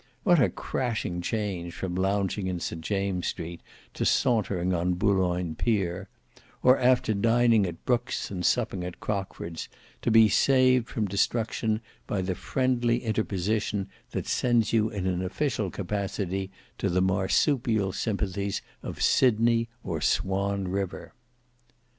What a crashing change from lounging in St James's street to sauntering on Boulogne pier; or, after dining at Brookes and supping at Crockford's, to be saved from destruction by the friendly interposition that sends you in an official capacity to the marsupial sympathies of Sydney or Swan River!